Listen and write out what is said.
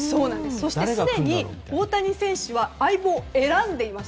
そして、すでに大谷選手は相棒を選んでいます。